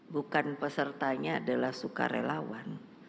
bukan pesertanya adalah suka relawan